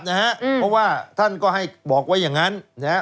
เพราะว่าท่านก็ให้บอกไว้อย่างนั้น